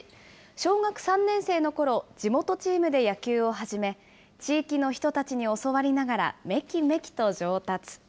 小学３年生のころ、地元チームで野球を始め、地域の人たちに教わりながら、めきめきと上達。